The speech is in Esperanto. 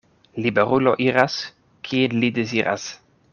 Liberulo iras, kien li deziras.